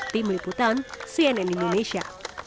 tim liputan cnn indonesia